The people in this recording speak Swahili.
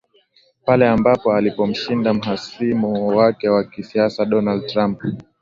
Pale ambapo alipomshinda mhasimu wake wa kisiasa Donald Trump